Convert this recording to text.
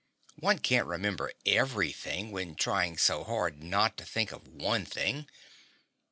One can't remember everything when trying so hard not to think of one thing.